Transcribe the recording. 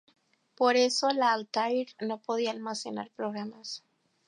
Por eso la Altair no podía almacenar programas.